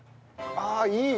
ああいい！